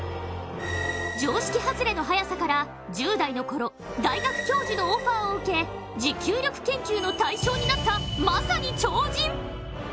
常識外れの速さから１０代のころ、大学教授のオファーを受け、持久力研究の対象になったという、まさに超人。